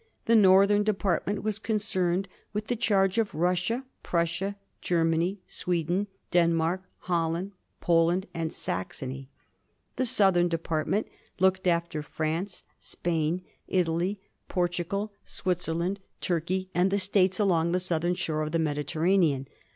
The Northern department was concerned with the charge of Russia, Prussia, Germany, Sweden, Denmark, Holland, Poland, and Saxony; the Southern department looked after France, Spain, Italy, Portugal, Switzerland, Turkey, 192 A HISTORY OF THE FOUR GEORGES, ob. zzxnL and the States along the southern shore of the Mediter ranean.